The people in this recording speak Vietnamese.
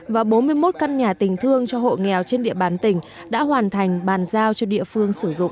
và bốn mươi một căn nhà tình thương cho hộ nghèo trên địa bàn tỉnh đã hoàn thành bàn giao cho địa phương sử dụng